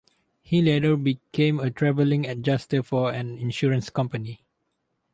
He later became a traveling adjuster for an insurance company.